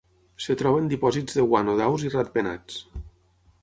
Es troba en dipòsits de guano d'aus i ratpenats.